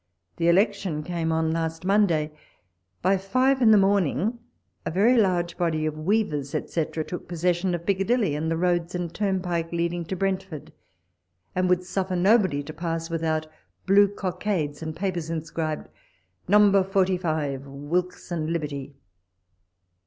The elec tion came on last Monday. By five in the morn ing a very large body of Weavers, etc., took possession of Piccadilly, and the roads and turn walpole's letters. 129 pike, leading to Brentford, and would suffer nobody to pass without blue cockades, and papers inscribed, " AV 45, Wilkes and Liberty.''